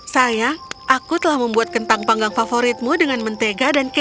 sayang aku telah membuat kentang panggang favoritmu dengan mentega dan kecap